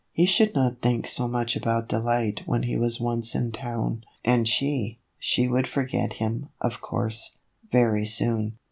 He should not think so much about Delight when he was once in town, and she she would forget him, of course, very soon.